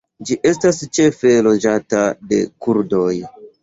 Ĝi estas ĉefe loĝata de kurdoj.